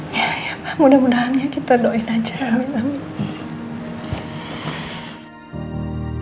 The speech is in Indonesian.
ya ya pak mudah mudahannya kita doain aja amin amin